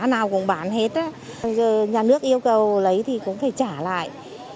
nhà nước yêu cầu lấy thì cũng phải trả lại